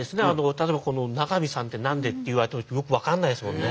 例えば詠さんって何でって言われてもよく分からないですもんね。